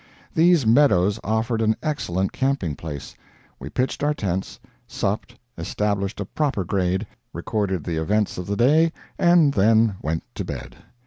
These meadows offered an excellent camping place. We pitched our tents, supped, established a proper grade, recorded the events of the day, and then went to bed.